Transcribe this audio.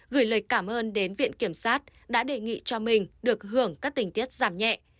gửi lời cảm ơn đến viện kiểm sát đã đề nghị cho mình được hưởng các tình tiết giảm nhẹ